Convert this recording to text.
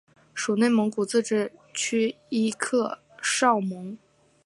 属内蒙古自治区伊克昭盟。